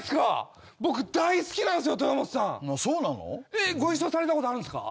えっご一緒されたことあるんすか？